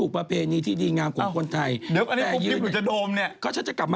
เดี๋ยวกุบกิฟต์หรือจะโดม